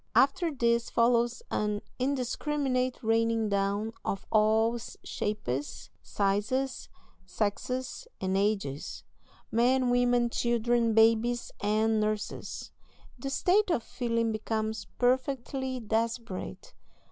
After this follows an indiscriminate raining down of all shapes, sizes, sexes, and ages men, women, children, babies, and nurses. The state of feeling becomes perfectly desperate.